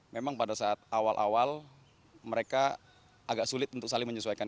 memang pada saat awal awal mereka agak sulit untuk saling menyesuaikan